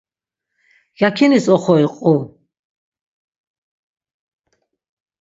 Yakinis oxori qu.